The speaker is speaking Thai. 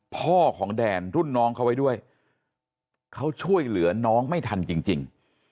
พ่อของแดนรุ่นน้องเขาไว้ด้วยเขาช่วยเหลือน้องไม่ทันจริง